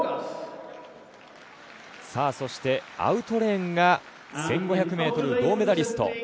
アウトレーンが１５００ｍ銅メダリスト